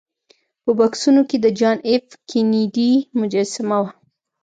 په بکسونو کې د جان ایف کینیډي مجسمه وه